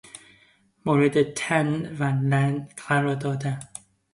مورد طعن و لعن قرار دادن